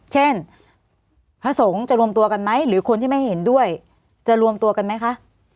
เช่นพระสงฆ์จะรวมตัวกันไหมหรือคนที่ไม่เห็นด้วยจะรวมตัวกันไหมคะ